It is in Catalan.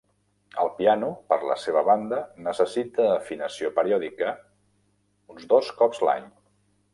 El piano, per la seva banda, necessita afinació periòdica, uns dos cops l'any.